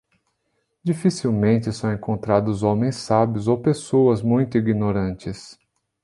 Dificilmente são encontrados homens sábios ou pessoas muito ignorantes.